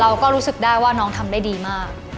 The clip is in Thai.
เราก็รู้สึกได้ว่าน้องทำได้ดีมาก